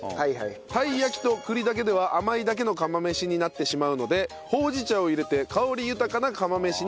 たい焼きと栗だけでは甘いだけの釜飯になってしまうのでほうじ茶を入れて香り豊かな釜飯に仕上げました。